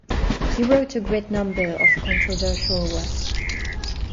He wrote a great number of controversial works.